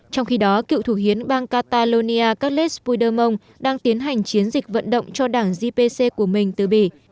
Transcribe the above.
trong khi đó cựu thủ hiến bang catalonia carles puigdemont đang tiến hành chiến dịch vận động cho đảng gpc của mình từ bỉ